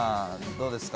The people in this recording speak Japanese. どうですか？